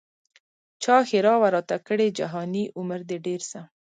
چا ښرا وه راته کړې جهاني عمر دي ډېر سه